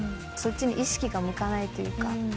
そっちに意識が向かないというか。